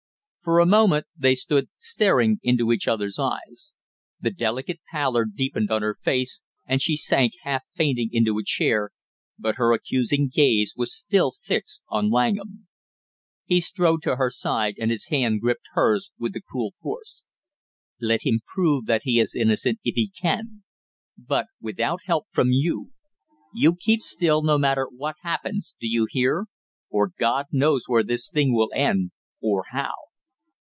For a moment they stood staring into each other's eyes. The delicate pallor deepened on her face, and she sank half fainting into a chair, but her accusing gaze was still fixed on Langham. He strode to her side, and his hand gripped hers with a cruel force. "Let him prove that he is innocent if he can, but without help from you! You keep still no matter what happens, do you hear? Or God knows where this thing will end or how!"